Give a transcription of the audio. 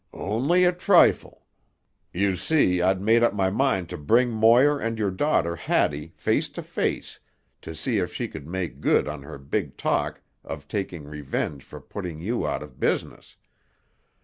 "Only a trifle. You see, I'd made up my mind to bring Moir and your daughter Hattie face to face to see if she could make good on her big talk of taking revenge for putting you out of business.